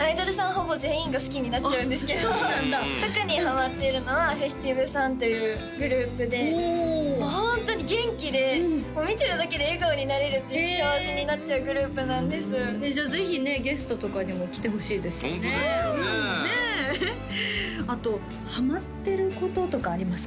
ほぼ全員が好きになっちゃうんですけど特にハマってるのはＦＥＳ☆ＴＩＶＥさんというグループでもうホントに元気で見てるだけで笑顔になれるっていう幸せになっちゃうグループなんですじゃあぜひねゲストとかにも来てほしいですねホントですよねねえあとハマってることとかありますか？